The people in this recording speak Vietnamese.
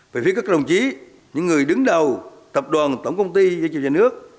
về phía các đồng chí những người đứng đầu tập đoàn tổng công ty và nhà nước